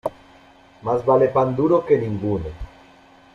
Más vale pan duro que ninguno.